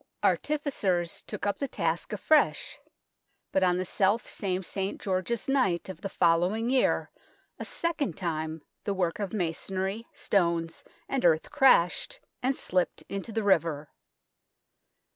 Artificers took up the task afresh, but on the selfsame St. George's night of the following year a second time the work of masonry, stones and earth crashed, and slipped into the river.